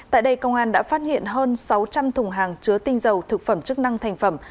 tại đây công an đã phát hiện hơn sáu trăm linh thùng hàng chứa tinh dầu thực phẩm chức năng thành phẩm